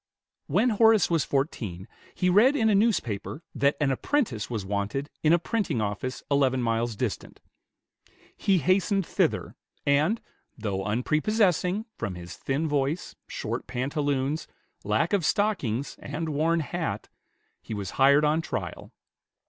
When Horace was fourteen, he read in a newspaper that an apprentice was wanted in a printing office eleven miles distant. He hastened thither, and, though unprepossessing, from his thin voice, short pantaloons, lack of stockings, and worn hat, he was hired on trial.